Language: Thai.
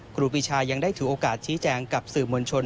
ครูปีชายังได้ถือโอกาสชี้แจงกับสื่อมวลชน